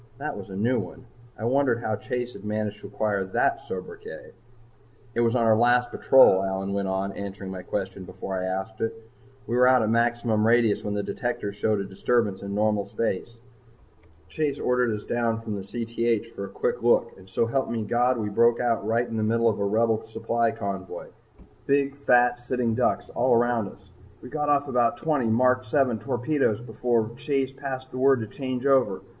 that was a new one. I wondered how Chase had managed to acquire that sobriquet. "It was on our last patrol," Allyn went on, answering my question before I asked it. "We were out at maximum radius when the detectors showed a disturbance in normal space. Chase ordered us down from Cth for a quick look and so help me, God, we broke out right in the middle of a Rebel supply convoy big, fat, sitting ducks all around us. We got off about twenty Mark VII torpedoes before Chase passed the word to change over.